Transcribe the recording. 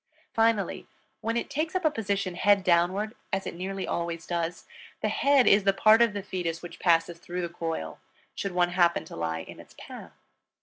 Finally, when it takes up a position head downward, as it nearly always does, the head is the part of the fetus which passes through the coil, should one happen to lie in its path.